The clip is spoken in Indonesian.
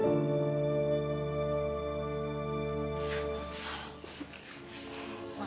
bapak pasti sembuh